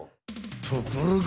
ところが